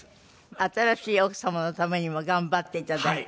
新しい奥様のためにも頑張って頂いて。